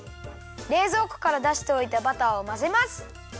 れいぞうこからだしておいたバターをまぜます。